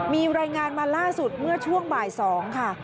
มีรายงานมาล่าสุดเมื่อช่วงบ่าย๒ค่ะ